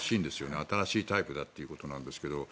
新しいタイプだということなんですけど